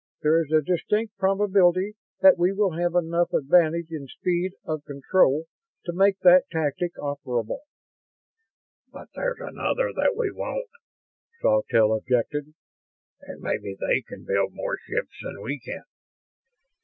There is a distinct probability that we will have enough advantage in speed of control to make that tactic operable." "But there's another that we won't," Sawtelle objected. "And maybe they can build more ships than we can."